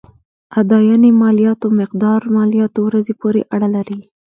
اداينې مالياتو مقدار مالياتو ورځې پورې اړه لري.